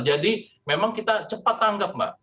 jadi memang kita cepat tanggap mbak